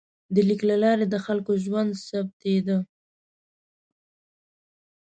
د لیک له لارې د خلکو ژوند ثبتېده.